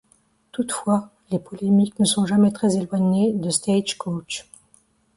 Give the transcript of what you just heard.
Toutefois les polémiques ne sont jamais très éloignées de Stagecoach.